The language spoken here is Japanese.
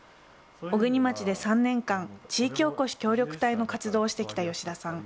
小国町で３年間、地域おこし協力隊の活動をしてきた吉田さん。